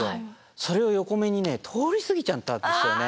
それを横目にね通り過ぎちゃったんですよね。